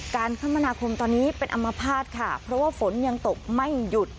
การพัฒนาคมตอนนี้เป็นอัมพาตค่ะเพราะว่าฝนยังตกไม่หยุด